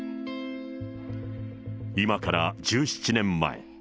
今から１７年前。